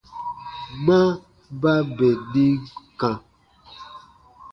Ma ba bè nim kã.